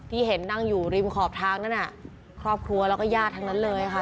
ที่เห็นนั่งอยู่ริมขอบทางนั้นน่ะครอบครัวแล้วก็ญาติทั้งนั้นเลยค่ะ